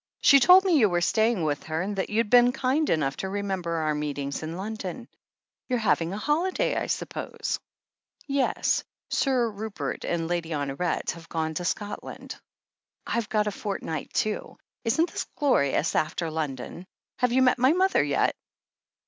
She told me you were staying with her, and that you'd been kind enough to remember our meetings in London. You're having a holiday, I suppose ?" "Yes. Sir Rupert and Lady Honoret have gone to Scotland." "I've got a fortnight, too. Isn't this glorious after London? Have you met my mother yet?"